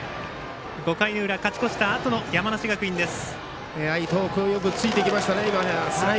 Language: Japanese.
５回の裏、勝ち越したあとの山梨学院です。